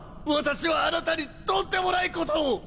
私はあなたにとんでもないことを！